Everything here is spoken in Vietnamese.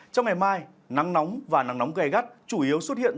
trong ngày mai nắng nóng và nắng nóng gây gắt chủ yếu xuất hiện